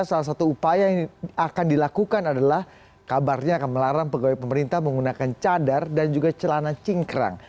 salah satu upaya yang akan dilakukan adalah kabarnya akan melarang pegawai pemerintah menggunakan cadar dan juga celana cingkrang